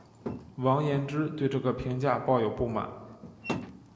王延之对这个评价抱有不满。